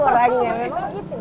emang gitu dia gak mau bu